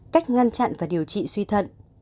cách ngăn chặn và điều trị